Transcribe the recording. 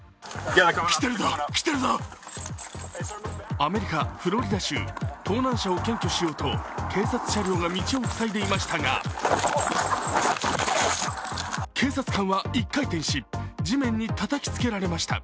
アメリカ・フロリダ州、盗難車を検挙しようと警察車両が道を塞いでいましたが警察官は一回転し、地面にたたきつけられました。